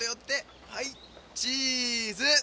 はいチーズ。